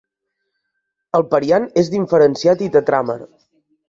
El periant és diferenciat i tetràmer.